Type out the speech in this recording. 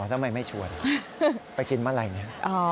ทำไมไม่ชวนไปกินเมื่อไหร่เนี่ย